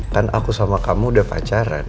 kan aku sama kamu udah pacaran